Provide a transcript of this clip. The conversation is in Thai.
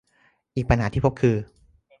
อีกปัญหาที่พบคือ